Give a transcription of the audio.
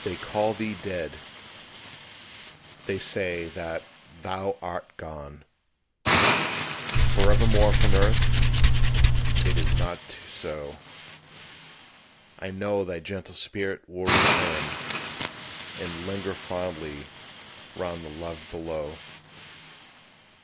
They call thee dead. They say that thou art gone, Forevermore from earth. It is not so; I know thy gentle spirit will return And linger fondly round the loved below.